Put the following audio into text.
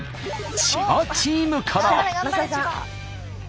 千葉チームから。